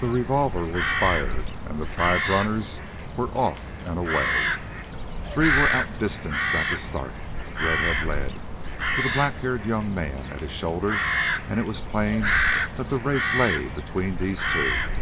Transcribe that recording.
The revolver was fired, and the five runners were off and away. Three were outdistanced at the start. Redhead led, with a black haired young man at his shoulder, and it was plain that the race lay between these two.